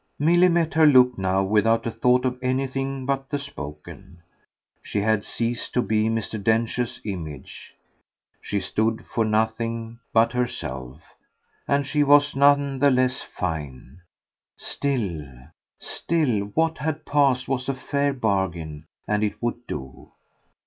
Milly met her look now without a thought of anything but the spoken. She had ceased to be Mr. Densher's image; she stood for nothing but herself, and she was none the less fine. Still, still, what had passed was a fair bargain and it would do.